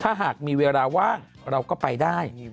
ถ้าหากมีเวลาว่างเราก็ไปได้